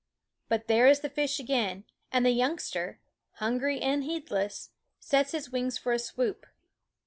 But there is the fish again, and the youngster, hungry and heedless, sets his wings for a swoop.